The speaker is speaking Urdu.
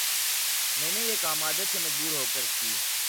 میں نے یہ کام عادت سے مجبور ہوکرکی